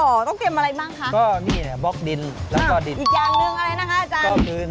โอ้ยทำไมเสียงเบาจังเลย